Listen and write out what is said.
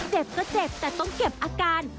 เจ็บก็เจ็บแต่ต้องเก็บอาการ